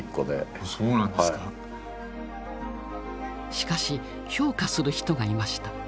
しかし評価する人がいました。